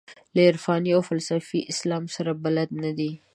له عرفاني او فلسفي اسلام سره بلد نه دي.